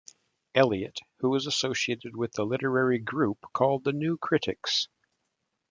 Eliot, who is associated with the literary group called the New Critics.